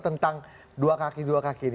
tentang dua kaki dua kaki ini